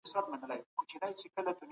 په مال کي د نورو برخه مه هېروئ.